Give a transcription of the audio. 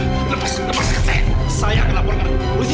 lepaskan lepaskan saya akan laporkan polisi